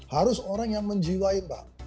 harus orang yang menjiwai mbak